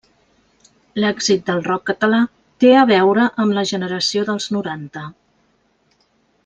L'èxit del Rock Català té a veure amb la generació dels noranta.